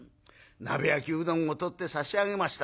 鍋焼きうどんを取って差し上げました。